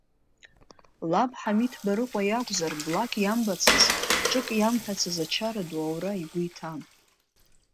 Лаб Ҳамиҭ Барыҟәа иакәзар, блак иамбацыз, ҿык иамҳәацыз ачара ду аура игәы иҭан.